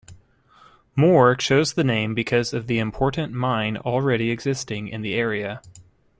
Moore chose the name because of the important mine already existing in the area.